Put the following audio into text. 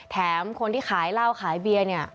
แถมคนที่ขายเหล้าขายเบียร์เนี่ย